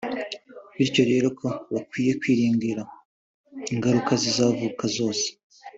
bityo rero ko bakwiye kwirengera ingaruka zizavuka zose